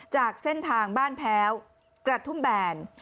จากเส้นทางบ้านแพ้วกระทุ่มแบน